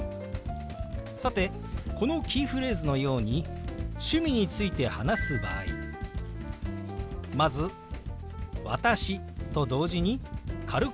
さてこのキーフレーズのように趣味について話す場合まず「私」と同時に軽くあごを下げます。